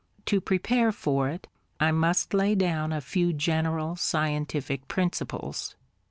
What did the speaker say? To prepare for it, I must lay down a few general scientific principles.